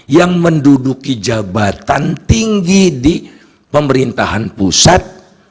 yang menduduki jabatan tinggi di pemerintahan pusat